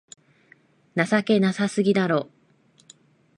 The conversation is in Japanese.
情けなさすぎだろ